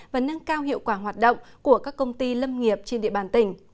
và nâng cao hiệu quả hoạt động của các công ty lâm nghiệp trên địa bàn tỉnh